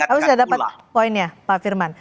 lalu sudah dapat poinnya pak firman